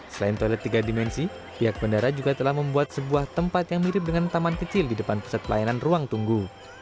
selain toilet tiga dimensi pihak bandara juga telah membuat sebuah tempat yang mirip dengan taman kecil di depan pusat pelayanan ruang tunggu